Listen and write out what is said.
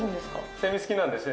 セミ好きなんですね？